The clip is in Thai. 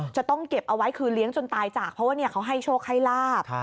จะต้องเก็บเอาไว้คือเลี้ยงจนตายจากเพราะว่าเขาให้โชคให้ลาบ